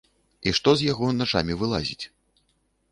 І што з яго начамі вылазіць.